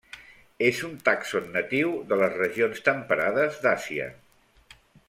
És un tàxon natiu de les regions temperades d'Àsia.